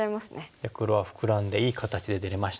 じゃあ黒はフクラんでいい形で出れました。